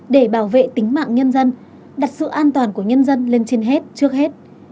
để bảo vệ tính mạng nhân dân đặt sự an toàn của nhân dân lên trên hết trước hết